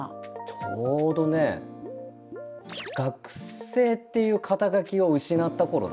ちょうどね学生っていう肩書を失った頃だ。